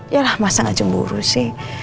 yalah masa gak cemburu sih